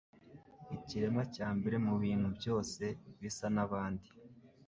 ikiremwa cya mbere mubintu byose bisa nabandi